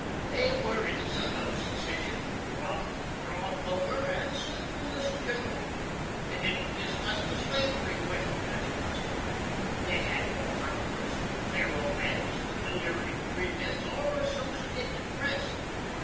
They were innocent of secession, rum, draw poker, and sinfulness gin'rally. They didn't discuss the slavery question as a custom. They had no Congress, faro banks, delirium tremens, or Associated Press.